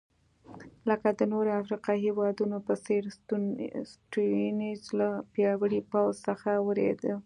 لکه د نورو افریقایي هېوادونو په څېر سټیونز له پیاوړي پوځ څخه وېرېده.